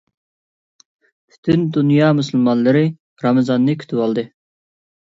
پۈتۈن دۇنيا مۇسۇلمانلىرى رامىزاننى كۈتۈۋالدى.